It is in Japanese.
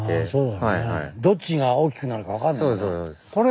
どっちが大きくなるかわかんないもんね。